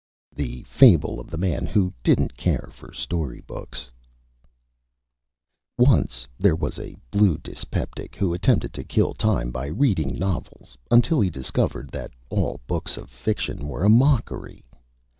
_ THE FABLE OF THE MAN WHO DIDN'T CARE FOR STORYBOOKS Once there was a blue Dyspeptic, who attempted to Kill Time by reading Novels, until he discovered that all Books of Fiction were a Mockery.